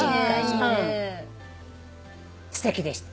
すてきでした。